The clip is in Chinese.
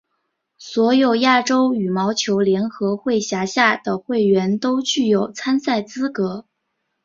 所有亚洲羽毛球联合会辖下的会员都具有参赛资格。